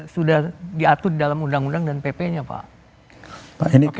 sudah diatur dalam undang undang dan pp nya pak